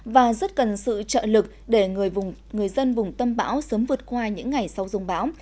và rất cần sự trợ lực để người dân vùng tâm bão sớm vượt qua những ngày sau dùng bão